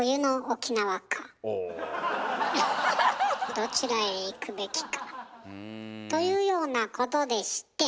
どちらへ行くべきか。というようなことでして。